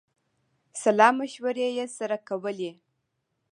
سلامشورې یې سره کولې.